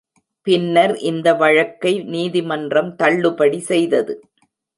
பின்னர் இந்த வழக்கை நீதிமன்றம் தள்ளுபடி செய்தது.